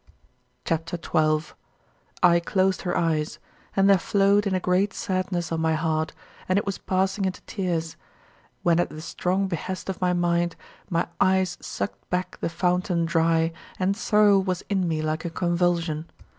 CHAPTER XII 29. I closed her eyes; and there flowed in a great sadness on my heart and it was passing into tears, when at the strong behest of my mind my eyes sucked back the fountain dry, and sorrow was in me like a convulsion.